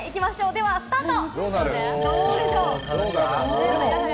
ではスタート。